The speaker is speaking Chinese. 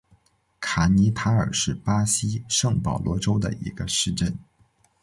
卡尼塔尔是巴西圣保罗州的一个市镇。